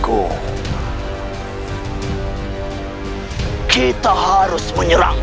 kepada prabu siliwang